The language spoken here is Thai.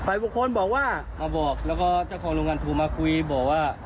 บุคคลบอกว่ามาบอกแล้วก็เจ้าของโรงงานโทรมาคุยบอกว่า